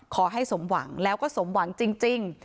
ขอให้สมหวังแล้วก็สมหวังจริง